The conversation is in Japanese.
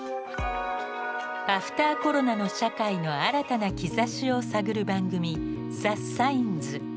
アフターコロナの社会の新たな兆しを探る番組「ＴｈｅＳｉｇｎｓ」。